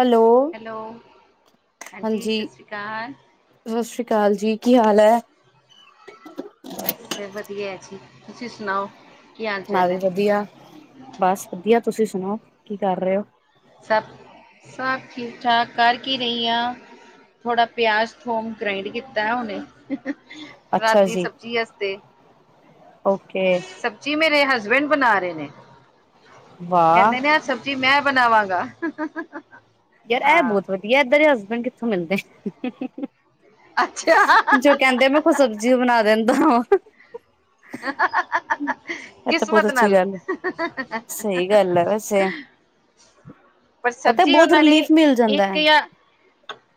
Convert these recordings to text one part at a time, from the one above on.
Hello hello ਹਾਂਜੀ ਸਤਿ ਸ਼੍ਰੀ ਅਕਾਲ। ਸਤਿ ਸ੍ਰੀ ਅਕਾਲ ਜੀ ਕੀ ਹਾਲ ਹੈ। ਬੱਸ ਵਧੀਆ ਜੀ ਤੁਸੀਂ ਸੁਣਾਓ ਕੀ ਹਾਲ ਮੈਂ ਚਾਲ ਵੀ ਹੈ ਵਧੀਆ ਬਸ ਵਧੀਆ ਤੁਸੀਂ ਸੁਣਾਓ ਕੀ ਕਰ ਰਹੇ ਹੋ ਸਭ ਸਭ ਠੀਕ ਠਾਕ ਕਰਕੇ ਰਹੀ ਹਾਂ। ਥੋੜ੍ਹਾ ਪਿਆਜ਼ ਥੋਮ ਗ੍ਰਾਈੰਡ ਕੀਤਾ ਉਹਨੇ ਅੱਛਾ ਜੀ ਓਕੇ। ਸਬਜ਼ੀ ਮੇਰੇ ਹਸਬੈਂਡ ਬਣਾ ਰਹੇ ਨੇ ਵਾਹ ਕਹਿੰਦੇ ਨੇ ਆ ਸਬ ਜੀ ਮੈਂ ਬਣਾਵਾਂਗਾ ਯਾਰ ਇਹ ਹਾਂ ਬਹੁਤ ਵਧੀਆ ਏਦਾਂ ਦੇ ਹਸਬੈਂਡ ਕਿੱਥੋਂ ਮਿਲਦੇ ਅੱਛਾ ਜੋ ਕਹਿੰਦੇ ਮੈਂ ਕੋ ਸਬਜ਼ੀ ਬਣਾ ਦਿੰਦਾ ਹਾਂ। ਹ ਕਿਸਮਤ ਅੱਛੀ ਨਾਲ। ਗੱਲ ਹੈ ਸਹੀ ਗੱਲ ਹੈ ਵੈਸੇ ਪਰ ਪਤਾ ਸਬਜ਼ੀ ਬਹੁਤ ਉਹਨਾਂ ਨੇ ਰਿਲੀਫ ਮਿਲ ਜਾਂਦਾ ਇੱਕ ਹੈ ਜਾਂ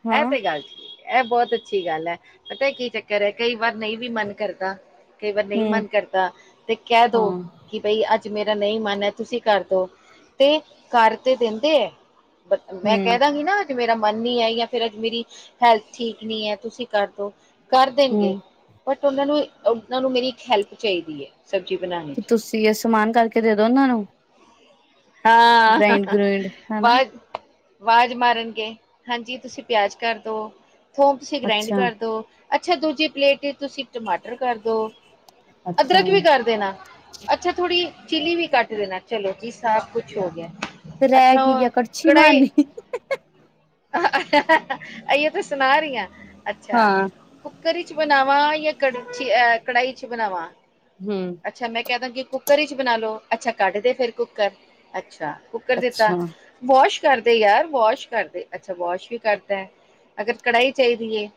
ਹਾਂ ਇਹ ਤੇ ਗੱਲ ਠੀਕ ਇਹ ਬਹੁਤ ਅੱਛੀ ਗੱਲ ਹੈ ਪਤਾ ਕੀ ਚੱਕਰ ਹੈ ਕਈ ਵਾਰ ਨਹੀਂ ਵੀ ਮਨ ਕਰਦਾ ਕਈ ਵਾਰ। ਨਹੀਂ ਹਮ ਮਨ ਕਰਦਾ ਤੇ ਕਹਿ ਦੋ ਹਾਂ ਕਿ ਬਈ ਅੱਜ ਮੇਰਾ ਨਹੀਂ ਮਨ ਹੈ ਤੁਸੀਂ ਕਰਦੋ ਤੇ ਕਰ ਤੇ ਦਿੰਦੇ ਹੈ। ਮੈਂ ਹਮ ਕਹਿ ਦਾਂਗੀ ਨਾ। ਮੇਰਾ ਮਨ ਨੀ ਹੈ ਜਾਂ ਫਿਰ ਅੱਜ ਮੇਰੀ ਹੈਲਥ ਠੀਕ ਨੀ ਹੈ ਤੁਸੀਂ ਕਰਦੋ। ਕਰ ਦੇਣਗੇ ਹਮ ਬਟ ਉਹਨਾਂ ਨੂੰ ਉਹਨਾਂ ਨੂੰ ਮੇਰੀ ਇੱਕ ਹੈਲਪ ਚਾਹੀਦੀ ਹੈ ਸਬਜ਼ੀ ਬਣਾਣੇ ਕਿ ਚ। ਤੁਸੀਂ ਸਮਾਨ ਕਰਕੇ ਦੇ ਦੋ ਉਹਨਾਂ ਨੂੰ ਹਾਂ ਗ੍ਰਾਇੰਡ ਗਰੁਇੰਡ ਹਨਾ ਬਸ ਆਵਾਜ਼ ਮਾਰਨਗੇ ਹਾਂਜੀ ਤੁਸੀਂ ਪਿਆਜ ਕਰਦੋ ਥੋਮ ਤੁਸੀਂ ਗ੍ਰੈਂਡ ਅੱਛਾ ਕਰਦੋ ਅੱਛਾ ਦੂਜੀ ਪਲੇਟ ਤੁਸੀਂ ਟਮਾਟਰ ਕਰ ਦੋ, ਅੱਛਾ ਅਦਰਕ ਵੀ ਕਰ ਦੇਣਾ। ਅੱਛਾ ਥੋੜੀ ਚਿੱਲੀ ਵੀ ਕੱਟ ਦੇਣਾ ਚਲੋ ਜੀ ਸਭ ਕੁਛ ਹੋ ਗਿਆ। ਫ ਰਹਿ ਕੀ ਗਿਆ ਕੜਛੀ ਮਾਰਨੀ ਅਈਏ ਤ ਸੁਣਾ ਰਹੀ ਹ ਅੱਛਾ ਹਾਂ ਕੁੱਕਰ ਚ ਬਣਾਵਾਂ ਜਾਂ ਕ ਅ ਕੜਾਹੀ ਚ ਬਣਾਵਾਂ ਹੂੰ ਅੱਛਾ ਮੈਂ ਕਹਿ ਦਾਂਗੀ, ਕੁੱਕਰ ਵਿਚ ਬਣਾ ਲੋ, ਅੱਛਾ ਕੱਢ ਦੇ ਫਿਰ ਕੁੱਕਰ, ਅੱਛਾ। ਕਰ ਦਿੱਤਾ, ਅੱਛਾ ਵਾਸ਼ ਕਰਦੇ ਯਾਰ, ਵਾਸ਼ ਕਰਦੇ, ਅੱਛਾ ਵਾਸ਼ ਵੀ ਕਰ ਤੈ ਅਗਰ ਕੜਾਹੀ ਚਾਹੀਦੀ ਹੈ।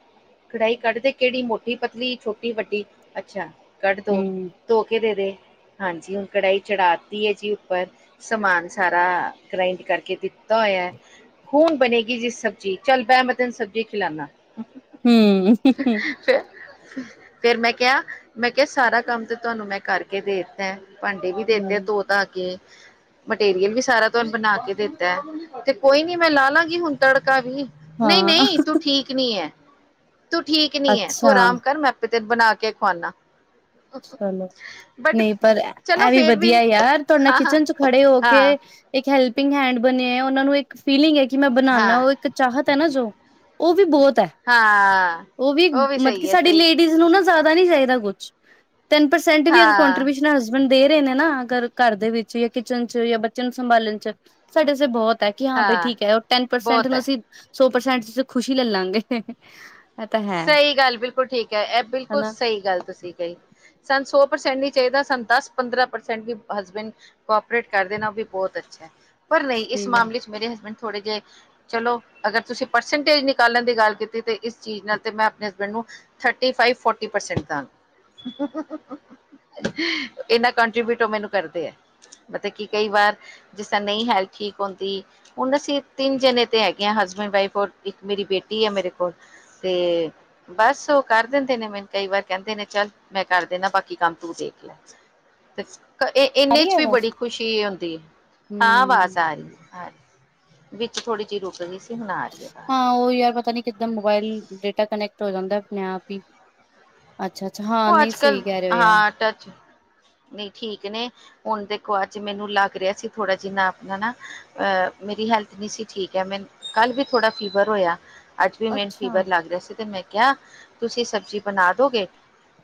ਕੜਾਈ ਕੱਢਦੇ ਕਿਹੜੀ ਮੋਟੀ ਪਤਲੀ ਛੋਟੀ ਵੱਡੀ ਅੱਛਾ ਕੱਢ ਦੋ ਹੂੰ ਧੋ ਕੇ ਦੇਦੇ ਹਾਂਜੀ ਹੁਣ ਕੜਾਹੀ ਚੜ੍ਹਾਤੀ ਹੈ ਜੀ ਉੱਪਰ। ਸਮਾਨ ਸਾਰਾ ਗ੍ਰਈੰਡ ਕਰਕੇ ਦਿੱਤਾ ਹੋਇਆ। ਖੂਨ ਬਣੇਗੀ ਜੀ ਸਬਜ਼ੀ, ਚੱਲ ਬਹਿ ਮੈਂ ਤੇਨੂੰ ਸਬਜ਼ੀ ਖਿਲਾਨਾ ਹੂੰ ਤੇ ਫੇਰ ਮੈਂ ਕਿਹਾ ਮੈਂ ਕਿਹਾ ਸਾਰਾ ਕੰਮ ਤਾਂ ਤੁਹਾਨੂੰ ਮੈਂ ਕਰਕੇ ਦੇ ਦਿੱਤਾ ਭਾਂਡੇ ਵੀ ਦੇ ਤੇ ਏ, ਹੂੰ, ਧੋ ਧਾ ਕੇ। ਮਟੀਰੀਅਲ ਵੀ ਸਾਰਾ ਤੁਹਾਨੂੰ ਬਣਾ ਕੇ ਦਿੱਤਾ ਹੈ ਤੇ ਕੋਈ ਨੀ ਮੈਂ ਲਾ ਲਾਂਗੀ ਹੁਣ ਤੜਕਾ ਵੀ। ਨਹੀਂ ਹਾਂ ਨਹੀਂ, ਤੂੰ ਠੀਕ ਨਹੀਂ ਐ, ਤੂੰ ਠੀਕ ਨਹੀਂ ਐ, ਤੂੰ ਅੱਛਾ ਆਰਾਮ ਕਰ ਮੈਂ ਆਪ। ਤ [unintelligible] ਬਣਾ ਕੇ ਖਵਾਣਾ। ਚਲੋ ਨਹੀਂ ਪਰ ਚਲੋ ਇਹ ਵੀ ਫੇਰ ਵਧੀਆ ਯਾਰ ਤੁਹਾਡੇ ਹਾਂ ਕਿਚਨ ਚ ਖੜੇ ਹੋ ਕੇ, ਹਾਂ ਇੱਕ ਹੈਲਪਿੰਗ ਹੈਂਡ ਬਣੇ, ਉਹਨਾਂ ਨੂੰ ਇੱਕ ਫੀਲਿੰਗ ਹੈ ਕਿ ਮੈਂ ਬਣਾਉਨਾਂ ਹਾਂ ਹਾਂ ਉਹ ਚਾਹਤ ਹੈ ਨਾ ਜੋ ਉਹ ਵੀ ਬਹੁਤ ਐ ਹਾਂ ਉਹ ਵੀ ਮਤਲਬ ਕੀ ਸਹੀ ਹੈ ਸਾਡੀ ਸਹੀ ਲੇਡੀਜ਼ ਨੂੰ ਨਾ ਜ਼ਿਆਦਾ ਨੀ ਚਾਹੀਦਾ ਕੁਛ। ਟੈਨ ਪਰਸੈਂ ਵੀ ਉਦੇ ਕੋਂਟਰ ਹਾਂ ਵਿਚ ਹਸਬੈਂਡ ਦੇ ਰਹੇ ਨੇ ਨਾ ਅਗਰ ਘਰ ਦੇ ਵਿੱਚ ਜਾਂ ਕਿਚਨ ਚ ਜਾਂ ਬੱਚਿਆਂ ਨੂੰ ਸੰਭਾਲਣ ਚ ਸਾਡੇ ਸ ਬਹੁਤ। ਕਿ ਹਾਂ ਬਾਈ ਠੀਕ ਹੈ ਉਹ ਟੈਨ ਪਰਸੈਂਟ ਬਹੁਤ ਨੂੰ ਹੈ ਅਸੀਂ ਸੌ ਪ੍ਰਸੈਂਟ ਚ ਖੁਸ਼ੀ ਲੈ ਲਾਂਗੇ ਤਾਂ ਹੈ ਸਹੀ ਗੱਲ, ਬਿਲਕੁਲ ਠੀਕ ਹੈ, ਇਹ ਬਿਲਕੁਲ ਹਨਾ ਸਹੀ ਗੱਲ ਤੁਸੀਂ ਕਹੀ। ਸਾਨੂੰ ਸੌ ਪ੍ਰਸੈਂਟ ਨੀ ਚਾਹੀਦਾ, ਸਾਨੂੰ ਦਸ ਪੰਦਰਾਂ ਪ੍ਰਸੈਂਟ ਵੀ ਹਸਬੈਂਡ। ਕੋਪਰੇਟ ਕਰਦੇ ਨੇ ਉਹ ਵੀ ਬਹੁਤ ਅੱਛਾ ਹੈ, ਪਰ ਨਹੀਂ ਇਸ ਠੀਕ ਹੈ ਮਾਮਲੇ ਚ ਮੇਰੇ ਹਸਬੈਂਡ ਥੋੜੇ ਜਿਹੇ, ਚਲੋ ਅਗਰ ਤੁਸੀਂ ਪਰਸੈਂਟੇਜ ਨਿਕਾਲਣ ਦੀ ਗੱਲ ਕੀਤੀ ਤੇ ਇਸ ਚੀਜ਼ ਨਾਲ। ਤੇ ਮੈਂ ਆਪਣੇ ਹਸਬੈਂਡ ਨੂੰ ਥਰਟੀ ਫਾਈਵ- ਫੋਟੀ ਪਰਸੈਂਟ ਦਾਂਗੀ ਇੰਨਾ ਕੰਟਰੀਬਿਊਟ, ਉਹ ਮੈਨੂੰ ਕਰਦੇ ਹੈ, ਮਤਲਬ ਕਿ ਕਈ ਵਾਰ। ਜਿਸ ਤਰ੍ਹਾਂ ਹੈਲਥ ਠੀਕ ਹੁੰਦੀ ਹੁਣ ਅਸੀਂ ਤਿੰਨ ਜਣੇ ਤੇ ਹੈਗੇ ਹਾਂ, ਹਸਬੈਂਡ ਵਾਈਫ ਔਰ ਇੱਕ ਮੇਰੀ ਬੇਟੀ ਆ ਮੇਰੇ ਕੋਲ। ਤੇ ਬਸ ਉਹ ਕਰ ਦਿੰਦੇ ਨੇ ਮੈਨੂੰ ਕਈ ਵਾਰ ਕਹਿੰਦੇ ਨੇ ਚੱਲ ਮੈਂ ਕਰ ਦੇਦਾ ਬਾਕੀ ਕੰਮ ਤੂੰ ਦੇਖ ਲੈ ਤੇ [inaudible] ਇਹ ਆ ਇਹਨੇ ਰਹੀ ਚ ਹੈ ਵੀ ਬਸ ਬੜੀ ਖੁਸ਼ੀ ਹੁੰਦੀ ਹੈ, ਹਾਂ ਆਵਾਜ਼ ਹਮ ਆ ਰਹੀ, ਆ ਰਹੀ। ਵਿੱਚ ਥੋੜ੍ਹੀ ਜਿਹੀ ਰੁਕ ਗ਼ੀ ਸੀ ਹੁਣ ਆ ਰਹੀ ਹੈ ਆਵਾਜ਼ ਹਾਂ ਉਈ ਯਾਰ, ਪਤਾ ਨੀ ਕਿੱਦਾਂ ਮੋਬਾਇਲ ਡੇਟਾ ਕਨੈਕਟ ਹੋ ਜਾਂਦਾ, ਆਪਣੇ ਆਪ ਹੀ। ਅੱਛਾ- ਅੱਛਾ, ਹਾਂ ਉਹ -ਨਹੀਂ, ਅੱਜ ਸਹੀ ਕਹਿ ਰਹੇ ਹੋ ਯ। ਟੱਚ ਨਈ ਠੀਕ ਨੇ ਹੁਣ ਦੇਖੋ ਅੱਜ ਮੈਨੂੰ ਲੱਗ ਰੇਹਾ ਸੀ, ਥੋੜ੍ਹਾ ਜਿੰਨਾ ਆਪਣਾ ਨਾ ਮੇਰੀ ਹੈਲਥ ਨੀ ਸੀ ਠੀਕ ਐ, ਮੈਂਨੂੰ ਕੱਲ ਵੀ ਥੋੜ੍ਹਾ ਫੀਵਰ ਹੋਏਆ। ਅਜ ਵੀ ਮੈਨੂੰ ਅੱਛਾ ਫੀਵਰ ਲਗ ਰਿਹਾ ਸੀ ਤੇ ਮੈਂ ਕਿਹਾ ਤੁਸੀਂ ਸਬਜੀ ਬਣਾ ਦੋ ਗੇ।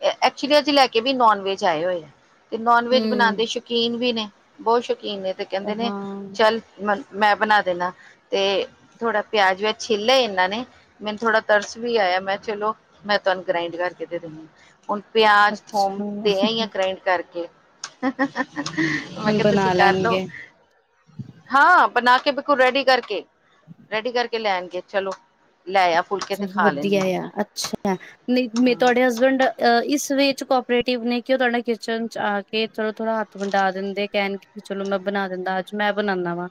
ਐਕਚੁਲੀ ਅੱਜ ਲੈ ਕੇ ਵੀ ਨੋਨ ਵੇਜ ਆਏ ਹੋ ਏ ਤੇ ਨਾਨਵੇਜ ਬਣਾਉਣ ਹਮ ਦੇ। ਸ਼ੌਕੀਨ ਵੀ ਨੇ ਬਹੁਤ ਸ਼ੌਕੀਨ ਨੇ ਤੇ ਕਹਿੰਦੇ ਨੇ ਹਾਂ ਚਲ ਮੈਂ ਬਣਾ ਦਿੰਨਾ। ਤੇ ਥੋੜਾ ਪਿਆਜ ਵਿਆਜ ਛੀਲੇ ਇਹਨਾਂ ਨੇ। ਮੈਨੂੰ ਥੋੜਾ ਤਰਸ ਵੀ ਆਇਆ ਮੈਂ ਚਲੋ ਮੈਂ ਤੁਹਾਨੂੰ ਗਰਾਇੰਡ ਕਰਕੇ ਦੇ ਦਨੀਆ। ਹੁਣ ਪਿਆਜ ਹੁਣ ਅੱਛਾ ਦੇ ਆਈਆਂ ਗਰਾਇੰਡ ਕਰਕੇ ਮੈਂ ਹੁਣ ਕਿਹਾ ਤੁਸੀਂ ਬਣਾ ਕਰ ਲਓ ਲੈਣਗੇ ਹਾਂ ਬਣਾ ਕੇ ਬਿਲਕੁਲ ਰੈਡੀ ਕਰਕੇ ਰੈਡੀ ਕਰਕੇ ਲੈ ਆਣਗੇ ਚਲੋ ਲੈ ਆ ਫੁਲਕੇ ਤੇ ਬਹੁਤ ਖਾ ਲੈਂਦੇ ਵਧੀਆ ਆ ਹਮ ਤੁਹਾਡੇ ਹਸਬੈਂਡ ਇਸ ਵੇ ਚ ਕੋਆਪਰੇਟਿਵ ਨੇ ਕਿ ਉਹ ਤੁਹਾਡੇ ਨਾਲ ਕਿਚਨ ਚ ਆ ਕੇ ਥੋੜਾ ਥੋੜਾ ਹੱਥ ਵਟਾ ਦਿੰਦੇ। ਚਲੋ ਮੈਂ ਬਣਾ ਦਿੰਦਾ ਅੱਜ ਮੈਂ ਬਣਾਉਦਾ ਵਾਂ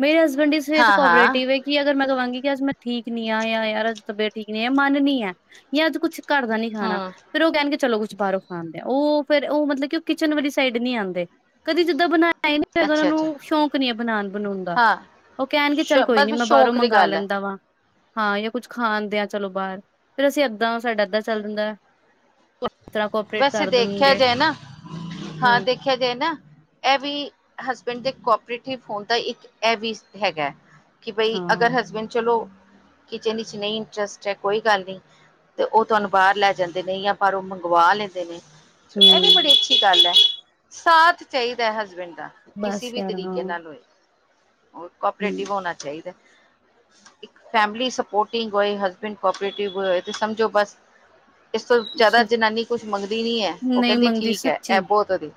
ਮੇਰੀ ਹਸਬੈਂਡ ਇਸ ਵੈ ਚ ਹਾਂ ਹਾਂ ਕੋਆਪਰੇਟਿਵ ਏ ਕਿ ਅਗਰ ਮੈਂ ਕਹਾਂਗੀ ਕਿ ਅੱਜ ਮੈਂ ਠੀਕ ਨੀ ਆ ਜਾਂ ਯਾਰ ਅ ਤਬੀਅਤ ਠੀਕ ਨੀ ਹੈ ਮਨ ਨੀ ਹੈ ਜਾਂ ਅੱਜ ਕੁੱਛ ਘਰ ਦਾ ਨੀ ਖਾਣਾ। ਹਮ ਫਿਰ ਉਹ ਕਹਿਣ ਕੇ ਚਲੋ ਕੁਛ ਬਾਹਰੋਂ ਖਾ ਆਂਦੇ ਆ, ਉਹ ਫੇਰ ਉਹ ਮਤਲਬ ਕਿ ਕਿਚਨ ਵਾਲੀ ਸਾਈਡ ਨੀ ਆਉਂਦੇ, ਕਦੀ ਜਿੱਦਾਂ ਬਣਾ। [unintelligible] ਇਨ੍ਹਾਂ ਅੱਛਾ ਨੂੰ ਅੱਛਾ ਸ਼ੌਂਕ ਨੀ ਹੈ ਬਣਾਣ ਬਨੁਣ ਦਾ। ਹਾਂ ਉਹ ਕਹਿਣਗੇ ਸ਼ ਚੱਲ ਕੋਈ ਨੀ, ਬਸ ਮੈਂ ਬਾਹਰੋਂ ਸ਼ੌਕ ਦੀ ਮੰਗਵਾ ਗੱਲ ਹੈ ਲੈਂਦਾ ਵਾਂ। ਹਾਂ ਜਾਂ ਕੁੱਝ ਖਾ ਆਂਦੇ ਆ ਚਲੋ ਬਾਹਰ ਫੇਰ ਅਸੀਂ ਏਦਾ ਸਾਡਾ ਏਦਾ ਚੱਲ ਜਾਂਦਾ। ਤਰ੍ਹਾਂ ਕੋਪਰੇਟ ਵੈਸੇ ਕਰ ਦੇਖਿਆ ਦੇਣਗੇ ਜਾਏ ਨਾ ਹਾਂ ਹੂੰ ਦੇਖਿਆ ਜਾਏ ਨਾ ਇਹ ਵੀ ਹਸਬੈਂਡ ਦੇ ਕੋਆਪਰੇਟਿਵ ਹੋਨ ਦਾ ਇਕ ਵੀ ਹੈਗਾ ਕਿ ਬਈ ਹਾਂ ਅਗਰ ਹਸਬੈਂਡ ਚਲੋ ਕਿਚਨ ਚ ਨਹੀਂ ਇੰਟਰਸਟ ਹ ਕੋਈ ਗੱਲ ਨਹੀਂ। ਤੇ ਉਹ ਤੁਹਾਨੂੰ ਬਾਹਰ ਲੈ ਜਾਂਦੇ ਨੇ ਜਾਂ ਪਰ ਪਵਾ ਲੈਂਦੇ ਨੇ ਹੂੰ ਕੀ ਕਰਦਾ ਸਾਥ ਚਾਹੀਦਾ ਹਸਬੈਂਡ, ਕਿਸੀ ਬਸ ਵੀ ਯਾਰ ਹਾਂ ਤਰੀਕੇ ਨਾਲ ਹੋਏ ਕੋਆਪਰੇਟਿਵ ਹੂੰ, ਹੋਣਾ ਚਾਹੀਦਾ। ਇਕ ਫੈਮਲੀ ਸਪੋਰਟਿੰਗ ਹੋਏ ਹਸਬੈਂਡ ਕੋਪਰੇਟਿਵ ਹੋਏ ਤੇ ਸਮਝੋ ਬਸ ਇਸ ਤੋਂ ਸ ਜਿਆਦਾ ਜਨਾਨੀ ਕੁਛ ਮੰਗਦੀ ਨਹੀਂ ਹੈ ਉਹ ਨਹੀਂ ਕਹਿੰਦੀ ਮੰਗਦੀ ਠੀਕ ਹ ਸੱਚੀ ਇਹ ਬਹੁਤ ਵਧੀਆ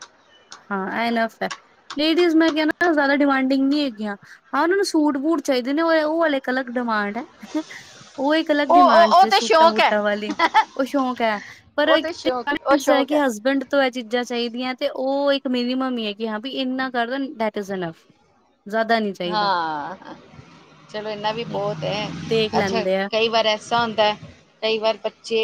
ਹਾਂ ਐ ਏਨੋਫ ਹੈ ਲੇਡੀਜ਼ ਮੇ ਕਿਹਾ ਨਾ ਜਾਦਾ ਡੀਂਮਾਂਡਿੰਗ ਨੀ ਹੈਗਿਆਂ। ਹਾਂ ਉਹਨਾਂ ਨੂੰ ਸੂਟ ਬੂਟ ਚਾਹੀਦੇ ਨੇ ਉਹ ਉਹ ਹਲੇ ਇਕ ਅਲਗ ਡਿਮਾਂਡ ਹੈ। ਉਹ ਇਕ ਅਲਗ ਉਹ ਡਿਮਾਂਡ ਉਹ ਉਹ ਜੈ ਤੇ ਸੂਟਾਂ ਸ਼ੌਕ ਹੈ ਬੁਟਾਂ ਵਾਲੀ। ਓਹ ਸ਼ੌਂਕ ਹੈ ਪਰ ਉਹ ਤੇ ਕਿ ਸ਼ੌਕ ਗੱਲ ਉਹ ਇਹ ਹੈ ਸ਼ੌਕ ਕਿ ਹਸਬੈਂਡ ਤੋ ਇਹ ਚੀਜ਼ਾਂ ਚਾਹੀਦੀਆਂ, ਤੇ ਉਹ ਇੱਕ ਮਿਨੀਮਮ ਹੀ ਹੈਗੀ ਹਾਂ ਵੀ ਇੰਨਾ ਕਰ ਦੈਟ ਈਜ ਇਨ ਅਫ ਜ਼ਦਾ ਨੀ, ਹਾਂ, ਚਲੋ ਇਨਾ ਵੀ ਨਹੀਂ ਬਹੁਤ ਐ, ਦੇਖ ਅੱਛਾ ਲੈਂਦੇ ਆ ਕਈ ਵਾਰ ਐਸਾ ਹੁੰਦਾ। ਕਈ ਵਾਰ ਬੱਚੇ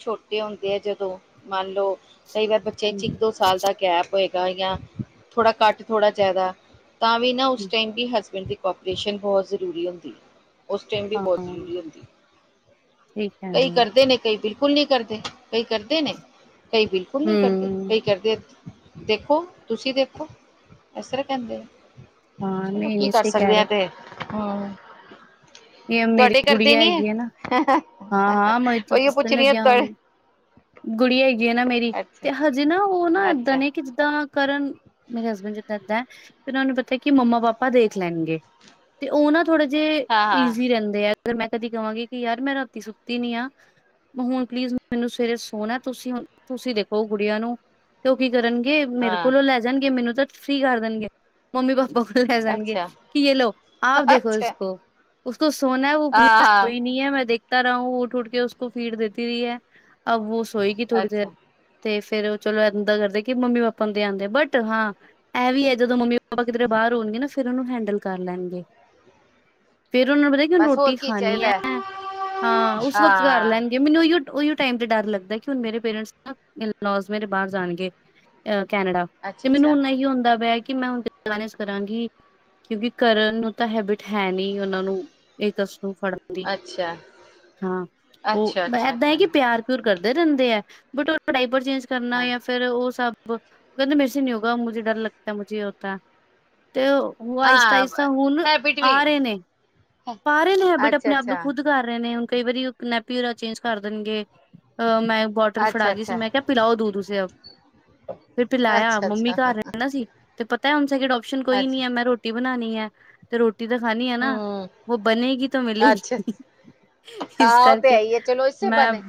ਛੋਟੇ ਹੁੰਦੇ ਆ, ਜਦੋਂ ਮੰਨ ਲਓ ਕਈ ਵਾਰ। ਚ ਹੂੰ ਇਕ ਦੋ ਸਾਲ ਦਾ ਗੈਪ ਹੋਏਗਾ, ਜਾਂ ਥੋੜਾ ਘੱਟ ਥੋੜਾ ਜਿਆਦਾ ਤਾਂ ਵੀ ਨਾ ਕਹਿਦੀ ਹੈਸਵੇਡ ਦੀ ਕਾਰਪੋਰੇਸ਼ਨ ਵੀ ਬਹੁਤ ਜਿਆਦਾ ਹੁੰਦਾ ਜੀ। ਹਾਂ ਠੀਕ ਹੈ ਕਈ ਹਮ ਕਰਦੇ ਨੇ ਕਈ ਬਿਲਕੁਲ ਨਹੀਂ ਕਰਦੇ ਕਈ ਕਰਦੇ ਨੇ, ਕਈ ਕਰਦੇ, ਦੇਖੋ ਤੁਸੀਂ ਦੇਖੋ, ਇਸ ਤਰਾਂ ਕਹਿੰਦੇ। ਹਾਂ ਨਹੀਂ ਕੀ ਨਹੀਂ ਕਰ ਸਹੀ ਕਹਿ ਸਕਦੇ ਰਹੇ ਆ ਹੋ ਤੇ, ਇਹ ਮੇਰੀ ਤੁਹਾਡੇ ਘਰ ਤੇ ਗੁੜੀਆ ਨਹੀਂ ਹੈਗੀ ਹੈ ਨਾ ਐ। [unintelligible] ਗੁੜੀਆ ਹੈਗੀ ਨਾ ਮੇਰੀ, ਅੱਛਾ ਅਜੇ ਨਾ ਉਹ ਨਾ ਇਦਾਂ ਅੱਛਾ ਨਹੀਂ ਕਿ ਕਿਦਾ। ਕਰਨ ਮੇਰੇ ਹਸਵੇਡ ਵੀ ਕਰਦਾ, ਸਾਨੂੰ ਪਤਾ ਕਿ ਮੰਮਾ, ਪਾਪਾ ਦੇਖ ਲੈ। ਤੇ ਉਹ ਨਾ ਥੋੜੇ ਜਿਹੇ ਹਾਂ ਹਾਂ ਈਜ਼ੀ ਰਹਿੰਦੇ, ਆ ਮੈਂ ਕਦੀ ਕਵਾਂਗੀ ਕਿ ਯਾਰ ਮੈਂ ਰਾਤੀ ਸੁੱਤੀ ਨਹੀਂ ਆ। ਹੁਣ ਪਲੀਜ਼ ਮੈਨੂੰ ਸਵੇਰੇ ਸੋਹਣਾ, ਤੁਸੀਂ ਤੁਸੀਂ ਦੇਖੋ ਗੁੜੀਆ ਨੂੰ ਕਿਉਂਕਿ ਕਰਨਗੇ, ਮੇਰੇ ਹਾਂ ਕੋਲੋਂ ਲੈ ਜਾਣਗੇ ਮੈਨੂੰ ਤਾਂ ਤੁਸੀਂ ਕਰ ਦੇਣਗੇ। ਮੰਮੀ ਪਾਪਾ ਕੋਲ ਲੈ, ਜਾਣਗੇ ਅੱਛਾ ਕੀ ਆਪ ਦੇਖੋ ਅੱਛਾ ਇਸਕੋ। ਉਸਕੋ ਸੋਨਾ ਹਾਂ ਹਾਂ ਹੀ ਨਹੀਂ ਹੈ, ਮੈਂ ਦੇਖਤਾ ਰਹਾ ਹੂੰ ਉਠ, ਉਠ ਕੇ ਉਸਕੋ ਫੀਡ ਦੇਤੀ ਰਹੀ ਐ। ਅਬ ਵੋ ਸੋਏਗੀ ਥੋੜੀ ਦੇਰ, ਅੱਛਾ ਤੇ ਫੇਰ ਚਲੋ ਇੱਦਾਂ ਕਰਦੇ, ਕਿ ਮੰਮੀ ਪਾਪਾ ਹੁੰਦੇ ਆਦੇ ਬਟ ਹਾਂ ਇਹ ਵੀ ਹੈ, ਜਦੋਂ ਮੰਮੀ ਪਾਪਾ ਕਿਧਰੇ ਬਾਹਰ ਹੋਣਗੇ, ਨਾ ਫਿਰ ਉਹਨੂੰ ਹੈਂਡਲ ਕਰ ਲੈਣਗੇ। ਫੇਰ ਉਹਨਾਂ ਨੂੰ ਪਤਾ ਕਿ ਬਸ ਰੋਟੀ ਹੋਰ ਕੀ ਖਾਣੀ ਚਾਹੀਦਾ ਹੈ, ਹਾਂ ਉਹ ਵਕਤ ਕਰ ਹਾਂ ਲੈਣ ਮੈਨੂੰ ਉਈਓ, ਉਈਓ ਟਾਈਮ ਤੇ ਡਰ ਲੱਗਦਾ ਕਿ, ਹੁਣ ਮੇਰੇ ਪੇਰਟਸ ਮੇਰੇ ਬਾਹਰ ਜਾਣਗੇ। ਅ ਕੈਨੇਡਾ ਤੇ ਅੱਛਾ ਮੈਨੂੰ ਅੱਛਾ ਉਨਾ ਹੀ ਹੁੰਦਾ ਪਿਆ ਕਿ ਮੈਂ ਹੁਣ ਮੇਨਜ ਕਰਾਂਗੀ, ਕਿਉਂਕਿ ਕਰਨ ਨੂੰ ਤਾਂ ਹੈਬਿਟ ਹੈ ਨਹੀਂ ਉਹਨਾਂ ਨੂੰ ਇਹ ਤਸ ਨੂੰ ਫੜ ਅੱਛਾ ਹਾਂ ਉਹ ਅੱਛਾ ਮੈ ਅੱਛਾ ਏਦਾਂ ਹੈ, ਅੱਛਾ ਕਿ ਪਿਆਰ ਦੁਰ ਕਰਦੇ ਰਹਿੰਦੇ ਆ, ਬਟ ਉਹ ਪੜਾਈ ਚੇਂਜ ਕਰਨਾ ਹਾਂ ਧਾ ਫੇਰ ਉਹ ਸਭ ਕਹਿੰਦੇ ਮੇਰੇਸੇ ਨਹੀਂ ਹੋਗਾ ਮੁਝੇ ਡਰ ਲੱਗਦਾ ਮੁਝੇ ਇਹ ਹੋਤਾ ਤੇ ਉਹ ਆਹਿਸਤਾ, ਹਾਂ ਅਹਿਸਤਾ ਹੁਣ ਹੈਬਿਟ ਵੀ ਆ ਰਹੇ ਨੇ ਪਾ ਰਹੇ ਨੇ ਹੈਬਿਟ ਅੱਛਾ ਆਪਣੇ ਆਪ ਨੂੰ ਅੱਛਾ ਖੁਦ ਕਰ ਰਹੇ ਨੇ ਹੁਣ ਕਈ ਵਾਰੀ ਨੈਪਿਊਰ ਚੇਜ ਕਰ ਦੇਣਗੇ ਮੈਂ, ਵਾਟਰ ਅੱਛਾ ਫੜਾ ਗਈ ਸੀ, ਅੱਛਾ ਮੈਂ ਕਿਹਾ ਪਿਲਾਓ ਦੋ ਦੂਸੇ ਫਿਰ ਪਿਲਾਇਆ ਅੱਛਾ ਮਮੀ ਅੱਛਾ ਘਰ ਰਹਿਣਾ ਸੀ। ਤੇ ਪਤਾ ਹੁਣ ਸੈਕਿੰਡ ਆਪਸ਼ਨ ਕੋਈ ਨਹੀਂ ਐ, ਅੱਛਾ ਮੈਂ ਰੋਟੀ ਬਣਾਣੀ ਐ, ਤੇ ਰੋਟੀ ਦਿਖਾਣੀ ਐ ਨਾ। ਹਮ ਵੋ ਬਨੇਗੀ ਤਾਂ ਅੱਛਾ ਮਿਲੇਗੀ ਇਸ ਉਹ ਤੇ ਕਰਕੇ ਆਈ ਈ ਐ, ਚਲੋ ਇਸੇ ਮੈਂ ਬਾਹਨੇ।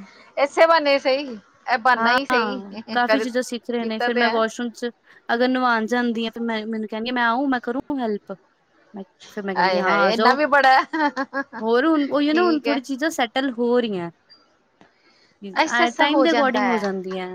ਇਸੇ ਬਹਾਨੇ ਸਹੀ ਇਹ ਬਹਾਨਾ ਹਾ, ਹੀ ਸਹੀ ਹਾਂ ਕਾਫ਼ੀ ਕਰ ਚੀਜ਼ਾਂ ਸਿੱਖ ਰਹੇ ਨੇ ਕੀਤਾ ਫਿਰ ਤੇ ਮੈਂ ਹੈ ਵਾਸ਼ਰੂਮ ਚ ਅਗਰ ਨਵਾਉਣ ਜਾਂਦੀ ਆ, ਫਿਰ ਮੈਂ ਮੈਨੂੰ ਕਹਿਦੀ ਮੈਂ ਆਊਂ ਮੈਂ ਕਰੂੰ ਹੈਲਪ ਅਛਾ, ਮੈਂ ਕਹਿੰਦੀ ਹਾਏ ਹਾਂ ਹਾਏ ਆ ਇੰਨਾ ਜਾਓ, ਵੀ ਬੜਾ ਹੋਰ ਹੁਣ ਉਹੀ ਨਾ ਹੁਣ ਠੀਕ ਹੈ ਥੋੜੀ ਚੀਜ਼ਾਂ ਸੈੱਟ ਚੱਲ ਹੋ ਰਹੀਆਂ। ਅੱਛਾ, ਅੱਛਾ ਟਾਈਮ ਹੋ ਦੇ ਜਾਂਦਾ। ਅਕੋਰਡਿੰਗ ਹੋ ਹੈ ਜਾਂਦੀ ਹੈ।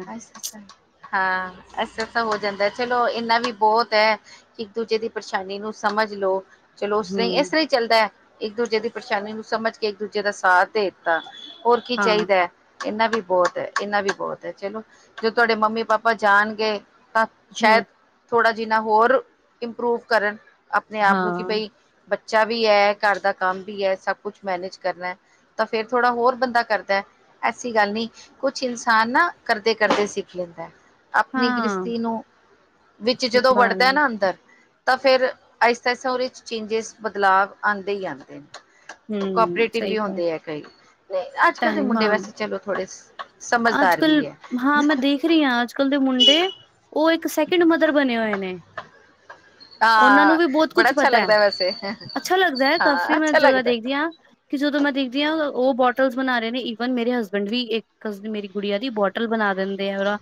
ਹਾਂ ਐਸਾ ਤਾ ਹੋ ਜਾਂਦਾ ਚਲੋ, ਇੰਨਾ ਵੀ ਬਹੁਤ ਹੈ। ਇੱਕ ਦੂਜੇ ਦੀ ਪਰੇਸ਼ਾਨੀ ਨੂੰ ਸਮਝ ਲਓ। ਚਲੋ ਉਸ ਤਰ੍ਹਾਂ ਹੀ ਹਮ ਇਸ ਤਰ੍ਹਾਂ ਹੀ ਚੱਲਦਾ ਹੈ, ਇੱਕ ਦੂਜੇ ਦੀ ਪਰੇਸ਼ਾਨੀ ਨੂੰ ਸਮਝ ਕੇ ਇੱਕ ਦੂਜੇ ਦਾ ਸਾਥ ਦੇ ਆ ਹੋਰ ਕੀ ਹਾਂ ਚਾਹੀਦਾ ਹੈ। ਇਹਨਾ ਵੀ ਬਹੁਤ ਹੈ, ਇਹਨਾ ਵੀ ਬਹੁਤ ਹੈ ਚਲੋ ਜਦੋ ਤੁਹਾਡੇ ਮੰਮੀ ਪਾਪਾ ਜਾਣਗੇ ਤਾਂ ਸ਼ਾਇਦ ਹਮ ਥੋੜ੍ਹਾ ਜਿਨਾ ਹੋਰ ਇੰਪਰੂਵ ਕਰਨ ਆਪਣੇ ਆਪ ਨੂੰ ਕਿ ਹਾਂ ਬਈ ਬੱਚਾ ਵੀ ਹੈ, ਘਰ ਦਾ ਕੰਮ ਵੀ ਹੈ, ਸਭ ਕੁਛ ਮੈਨੇਜ ਕਰਨਾ। ਤਾਂ ਫੇਰ ਥੋੜਾ ਹੋਰ ਬੰਦਾ ਕਰਦਾ। ਐਸੀ ਗੱਲ ਨਹੀ ਕੁਛ ਇਨਸਾਨ ਨਾ ਕਰਦੇ ਕਰਦੇ ਸਿੱਖ ਲੈਂਦਾ। ਆਪਣੀ ਹਾਂ ਗ੍ਰਿਸਤੀ ਨੂੰ ਵਿੱਚ ਜਦੋਂ ਬਾਲਣ ਵੜਦਾ ਨਾ ਅੰਦਰ ਤਾਂ ਫਿਰ'ਆਇਸਤਾ ਆਇਸਤਾ ਉਹਦੇ ਵਿਚ ਚੇਂਜਿਸ ਬਦਲਾਵ ਆਉਂਦੇ ਹੀ ਆਉਂਦੇ ਨੇ ਹੂੰ ਕੋਪਰੇਟਿਵ ਸਹੀ ਵੀ ਗੱਲ ਹੁੰਦੇ ਹੈ ਕਈ, ਅੱਜ ਕੱਲ੍ਹ ਦੇ ਟਾਈਮ ਮੁੰਡੇ ਹਾਂ ਵੈਸੇ ਚਲੋ ਥੋੜੇ ਅੱਜ- ਸਮਝਦਾਰ ਕੱਲ, ਵੀ ਹੈ ਹਾਂ ਮੈਂ ਦੇਖ ਰੀਆਂ ਅੱਜ ਕਲ ਦੇ ਮੁੰਡੇ, ਉਹ ਇੱਕ ਸੈਕਿੰਡ ਮਦਰ ਬਣੇ ਹੋਏ ਨੇ ਉਹਨਾਂ ਨੂੰ ਹਾਂ ਵੀ ਬਹੁਤ ਬੜਾ ਕੁਛ ਅੱਛਾ ਪਤਾ ਹੈ, ਲੱਗਦਾ ਵੈਸੇ ਅੱਛਾ ਲੱਗਦਾ ਹੈ ਕਾਫ਼ੀ ਹਾਂ ਮੈਂ ਅੱਛਾ ਜਗ੍ਹਾ ਲੱਗਦਾ ਦੇਖਦੀ ਹਾਂ। ਕਿ ਜਦੋਂ ਮੈਂ ਦੇਖਦੀ ਹਾਂ ਉਹ ਬੋਟਲ ਬਣਾ ਰਹੇ ਨੇ ਈਵਨ ਮੇਰੇ ਹਸਬੈਂਡ ਵੀ ਇੱਕ ਮੇਰੀ ਗੁੜੀਆ ਦੀ ਬੋਟਲ ਬਣਾ ਦਿੰਦੇ ਆ ਉਹਦਾ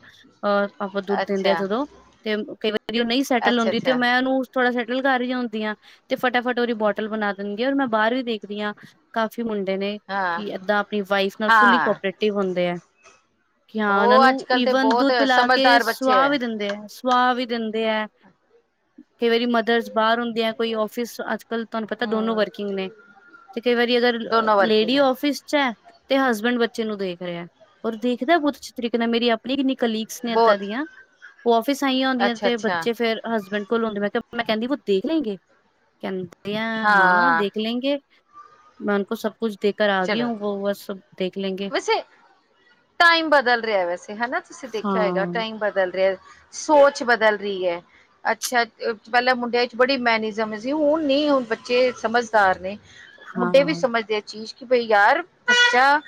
ਅਹ ਆਪਾਂ ਦੁੱਧ ਦਿੰਦੇ ਆ ਅੱਛਾ ਜਦੋਂ ਤੇ, ਕਈ ਵਾਰੀ ਉਹ ਨਹੀਂ ਸੈਟਲ ਅੱਛਾ ਹੁੰਦੀ ਤੇ ਉਹ ਅੱਛਾ ਮੈਂ ਉਹਨੂੰ ਥੋੜਾ ਸੈਟਲ ਕਰ ਰਹੀ ਹੁੰਦੀ ਆ ਤੇ ਫਟਾਫਟ ਉਹਦੀ ਬੋਟਲ ਬਣਾ ਦੇਣਗੇ ਮੈਂ ਬਾਹਰ ਵੀ ਦੇਖਦੀ ਹਾਂ। ਕਾਫੀ ਮੁੰਡੇ ਨੇ ਹਾਂ ਕਿ ਏਦਾਂ ਆਪਣੀ ਵਾਈਫ ਨਾਲ ਫੁਲੀ ਹਾਂ ਕੋਪਰੇਟਿਵ ਹੁੰਦੇ ਆ। ਕਿ ਹਾਂ ਉਹਨਾਂ ਉਹ ਅੱਜ ਨੂੰ ਕੱਲ੍ਹ ਤੇ ਈਵਨ ਬਹੁਤ ਦੁੱਧ ਪਿਲਾ ਕੇ ਸਮਝਦਾਰ ਬੱਚੇ ਸੁਆਹ ਵੀ ਦਿੰਦੇ ਹੈ। ਸੁਆਹ ਵੀ ਦਿੰਦੇ ਹੈ, ਕਈ ਵਾਰੀ ਮਦਰਸ ਬਾਹਰ ਹੁੰਦੇ ਆ ਕੋਈ ਆਫਿਸ ਅੱਜ ਤੁਹਾਨੂੰ ਪਤਾ ਦੋਨੋ ਹਮ ਵਰਕਿੰਗ ਨੇ ਤੇ, ਕਈ ਵਾਰੀ ਅਗਰ ਦੋਨੋ ਵਰਕਿੰਗ ਲੇਡੀ ਹੈ ਆਫਿਸ ਚ ਹੈ। ਤੇ ਹਸਬੈਂਡ ਬੱਚੇ ਨੂੰ ਦੇਖ ਰਿਹਾ, ਔਰ ਦੇਖਦਾ ਬਹੁਤ ਅੱਛੇ ਤਰੀਕੇ ਨਾਲ ਮੇਰੀ ਆਪਣੀ ਕਿੰਨੀ ਕਲੀ ਤੇ ਏਦਾਂ ਬਹੁਤ ਦੀਆਂ ਉਹ ਆਫਿਸ ਆਈਆਂ ਹੁੰਦੀਆਂ ਤੇ ਅੱਛਾ-ਅੱਛਾ, ਬੱਚੇ ਫੇਰ ਹਸਬੈਂਡ ਕੋਲ ਹੁੰਦੇ ਮੈਂ ਕਿਹਾ ਮੈਂ ਕਹਿੰਦੀ ਉਹ ਦੇਖ ਲੈਂਣਗੇ ਕਹਿੰਦੇ ਆ ਹਾਂ ਦੇਖ ਦੇਖ ਲੈਂਗੇ, ਮੈਂ ਉਨ ਕੋ ਸਭ ਕੁਛ ਦੇ ਕਰ ਆ ਗਈ ਚਲੋ ਹੂ ਵੋ ਵ ਸਭ ਦੇਖ ਲੈਂਗੇ। ਵੈਸੇ ਟਾਈਮ ਬਦਲ ਰਿਹਾ ਵੈਸੇ ਹੈਨਾ, ਤੁਸੀਂ ਹਾਂ ਦੇਖਿਆ ਹੈਗਾ ਟਾਈਮ ਬਦਲ ਰਿਹਾ। ਸੋਚ ਬਦਲ ਰਹੀ ਹੈ। ਅੱਛਾ ਪਹਿਲਾਂ ਮੁੰਡਿਆਂ ਚ ਬੜੀ ਮੈਨਿਜ਼ਮ ਸੀ ਹੁਣ ਨੀ ਹੁਣ ਬੱਚੇ ਸਮਝਦਾਰ ਨੇ। ਮੁੰਡੇ ਵੀ ਹਾਂ ਸਮਝਦੇ ਆ ਚੀਜ਼। ਕਿ ਬਈ ਯਾਰ ਬੱਚਾ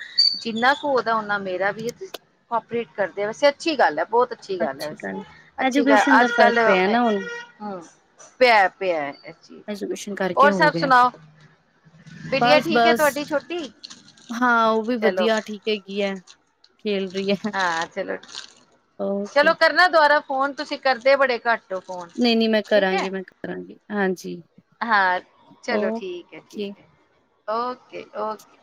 ਜਿੰਨਾ ਕੁ ੳਦਾ ਓਨਾ ਮੇਰਾ ਵੀ ਹੈ। ਕੋਪਰੇਟ ਕਰਦੇ ਵੈਸੇ ਅੱਛੀ ਗੱਲ ਹੈ ਬਹੁਤ ਅੱਛੀ ਗੱਲ ਹੈ ਬਸ ਅੱਛੀ ਗੱਲ ਐਜੂਕੇਸ਼ਨ ਦਾ ਅੱਜ ਫ਼ਰਕ ਪਿਆ ਕੱਲ੍ਹ ਨਾ ਹੁਣ ਹਮ ਪਿਆ ਪਿਆ। ਐਜੂਕੇਸ਼ਨ ਕਰਕੇ ਹੋਰ ਹੋ ਸਭ ਗਿਆ ਸੁਣਾਓ, ਬੇਟਿਆਂ ਬਸ ਠੀਕ ਹੈ ਬਸ ਤੁਹਾਡੀ ਛੋਟੀ? ਹਾਂ ਉਹ ਵੀ ਚਲੋ ਵਧੀਆ ਠੀਕ ਹੈਗੀ ਹੈ, ਖੇਲ ਰਹੀ ਹੈ। ਹਾਂ ਚਲੋ ਠੀਕ, ਓਕੇ ਚਲੋ ਕਰਨਾ ਦੁਬਾਰਾ ਫੋਨ ਤੁਸੀਂ ਕਰਦੇ ਬੜੇ ਘੱਟ। ਹੋ ਫੋਨ ਨਹੀਂ -ਨਹੀਂ ਮੈਂ ਠੀਕ ਹੈ ਕਰਾਂਗੀ, ਮੈਂ ਕਰਾਂਗੀ ਹਾਂਜੀ। ਹਾਂ ਚਲੋ ਓਕੇ। ਠੀਕ ਹੈ, ਠੀਕ ਹੈ, ਓਕੇ, ਓਕੇ।